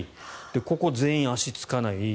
ここ、全員足つかない。